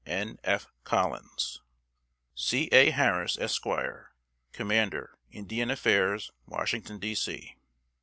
N. F. COLLINS. C. A. HARRIS, Esq., Comm'r Indian Affairs, Washington, D. C."